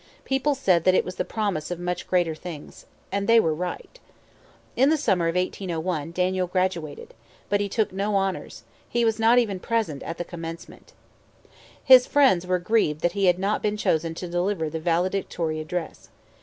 People said that it was the promise of much greater things. And they were right. In the summer of 1801, Daniel graduated. But he took no honors. He was not even present at the Commencement. His friends were grieved that he had not been chosen to deliver the valedictory address.